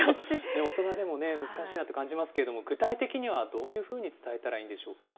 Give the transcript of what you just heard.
大人でも難しいなって感じますけれども、具体的にはどういうふうに伝えたらいいんでしょうか。